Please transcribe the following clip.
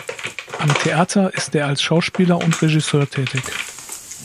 Am Theater ist er als Schauspieler und Regisseur tätig.